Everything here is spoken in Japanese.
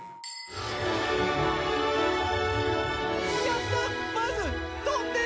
「やった！